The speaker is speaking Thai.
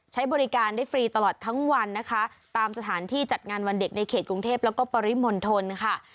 ใช้บริการได้ฟรีตลอดทั้งวันนะคะตามสถานที่จัดงานวันเด็กในเขตกรุงเทพแล้วก็ปริมณฑลค่ะ